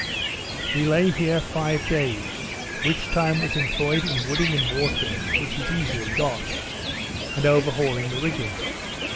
We lay here five days, which time was employed in wooding and watering (which is easily got), and over hauling the rigging.